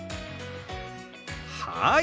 はい！